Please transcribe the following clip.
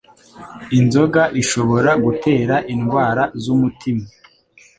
inzoga ishobora gutera indwara z'umutima